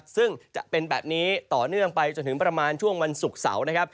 ซึ่งจะเป็นแบบนี้ต่อเนื่องไปจนถึงประมาณช่วงวันศุกร์เสาร์นะครับ